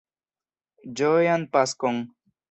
Ĝojan Paskon!